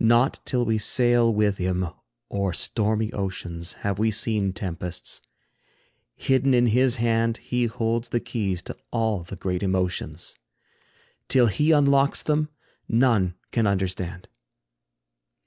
Not till we sail with him o'er stormy oceans, Have we seen tempests; hidden in his hand He holds the keys to all the great emotions; Till he unlocks them, none can understand.